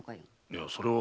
いやそれは。